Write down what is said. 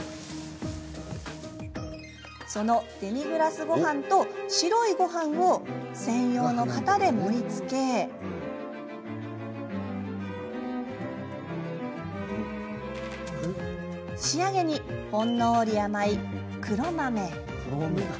そのデミグラスごはんと白いごはんを専用の型で盛りつけて仕上げに、ほんのり甘い黒豆。